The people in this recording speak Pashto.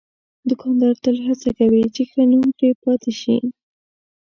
دوکاندار تل هڅه کوي چې ښه نوم پرې پاتې شي.